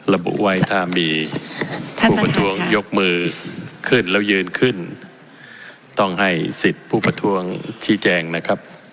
ระบุไว้ถ้ามีผู้ประท้วงยกมือขึ้นแล้วยืนขึ้นต้องให้สิทธิ์ผู้ประท้วงชี้แจงนะครับ